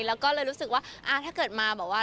แล้วก็เลยรู้สึกว่าถ้าเกิดมาแบบว่า